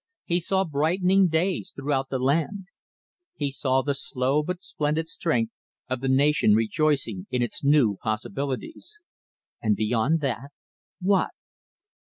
He saw brightening days throughout the land. He saw the slow but splendid strength of the nation rejoicing in its new possibilities. And beyond that, what?